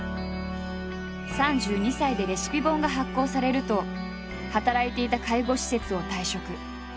３２歳でレシピ本が発行されると働いていた介護施設を退職。